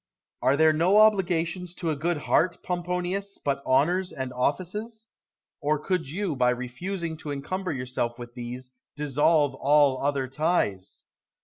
Brutus. Are there no obligations to a good heart, Pomponius, but honours and offices? Or could you, by refusing to encumber yourself with these, dissolve all other ties?